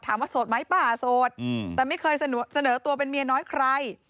ถามว่าสดไหมป้าสดอืมแต่ไม่เคยเสนอเสนอตัวเป็นเมียน้อยใคร